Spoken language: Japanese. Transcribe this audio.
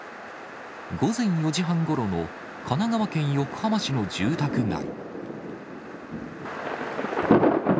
午前４時半ごろの神奈川県横浜市の住宅街。